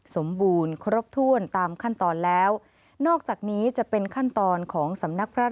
สมบูรณ์ครบถ้วนตามขั้นตอนแล้วนอกจากนี้จะเป็นขั้นตอนของสำนักพระราช